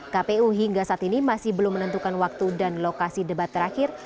kpu hingga saat ini masih belum menentukan waktu dan lokasi debat terakhir